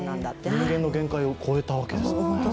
人間の限界を超えたわけですか。